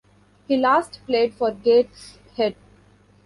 He last played for Gateshead.